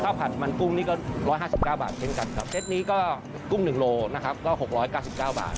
ข้าวผัดรามันกุ้งนี้ก็ร้อยได้๑๕๙บาทเพราะเทคนี้ก็๑๖๙บาท